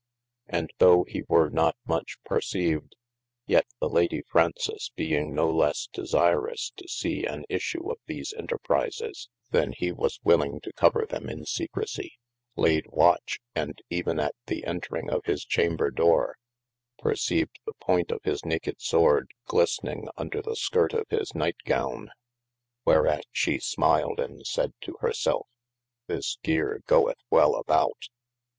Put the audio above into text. And though he were not much perceived, yet the Lady Fraunces being no lesse desirous to see an issue of these interprises, then he was willing to cover them in secrecy, laid watch, & even at the entring of his chamber doore, perceived the poynt of his naked sworde glistring under the skyrt of his nyght gowne : whereat she smiled & sayd to hir selfe, this geare goeth well aboute.